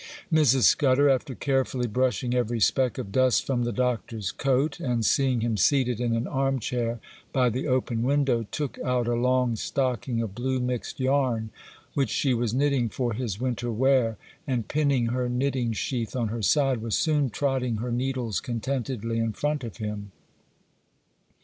Mrs. Scudder, after carefully brushing every speck of dust from the Doctor's coat and seeing him seated in an arm chair by the open window, took out a long stocking of blue mixed yarn which she was knitting for his winter wear, and, pinning her knitting sheath on her side, was soon trotting her needles contentedly in front of him.